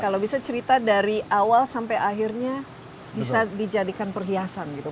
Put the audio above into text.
kalau bisa cerita dari awal sampai akhirnya bisa dijadikan perhiasan gitu